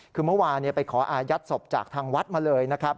คือเมื่อวานไปขออายัดศพจากทางวัดมาเลยนะครับ